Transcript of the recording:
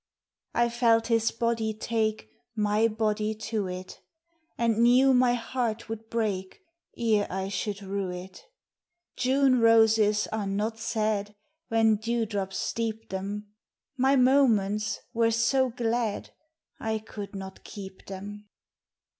I felt his body take My body to it, And knew my heart would break Ere I should rue it ; June roses are not sad When dew drops steep them, My moments were so glad I could not keep them.